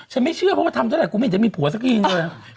ฉันไม่เชื่อเพราะว่าทำได้กูไม่คิดจะมีผัวสักอย่างเดียวอ่ะ